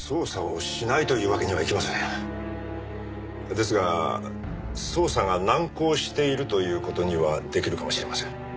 ですが捜査が難航しているという事にはできるかもしれません。